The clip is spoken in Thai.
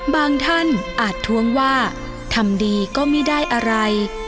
บางท่านอาจท้วงว่าทำดีก็ไม่ได้อะไร